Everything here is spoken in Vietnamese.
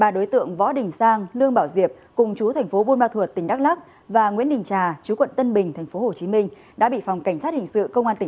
ba đối tượng đã móc nối làm giả giấy chứng minh nhân dân của một mươi bảy người